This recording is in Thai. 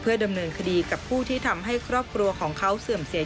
ดำเนินคดีกับผู้ที่ทำให้ครอบครัวของเขาเสื่อมเสีย